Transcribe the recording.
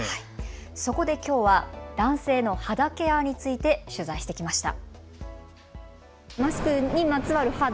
そこできょうは男性の肌ケアについて取材してきました。